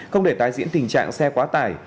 không để tái diễn tình trạng xe quá tải